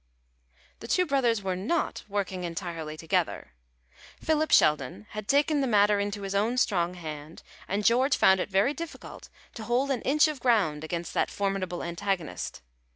The two brothers were not working entirely together. Philip Sheldon had taken the matter into his own strong hand, and George found it very difficult to hold an inch of ground against that formidable antagonist.